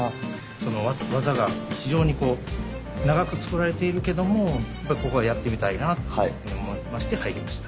その技が非常にこう長く作られているけどもここでやってみたいなと思いまして入りました。